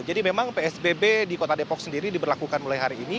jadi memang psbb di kota depok sendiri diberlakukan mulai hari ini